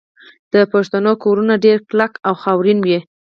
د پښتنو کورونه ډیر کلک او خاورین وي.